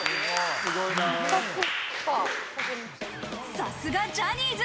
さすがジャニーズ。